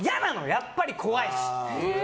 やっぱり怖いし。